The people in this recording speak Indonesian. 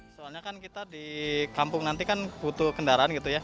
soalnya kan kita di kampung nanti kan butuh kendaraan gitu ya